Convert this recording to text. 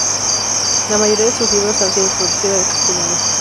La mayoría de sus libros ha sido traducida al castellano.